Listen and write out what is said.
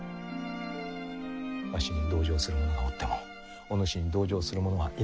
わしに同情する者はおってもお主に同情する者はいなかったであろう。